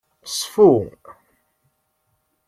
Ṣfu.